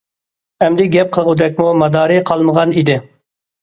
ئەمدى گەپ قىلغۇدەكمۇ مادارى قالمىغان ئىدى.